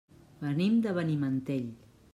Venim de Benimantell.